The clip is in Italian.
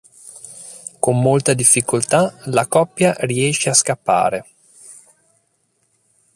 Con molta difficoltà la coppia riesce a scappare.